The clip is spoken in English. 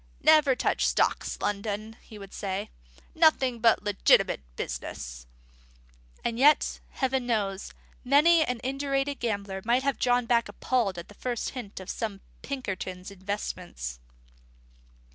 "Never touch stocks, Loudon," he would say; "nothing but legitimate business." And yet, Heaven knows, many an indurated gambler might have drawn back appalled at the first hint of some of Pinkerton's investments!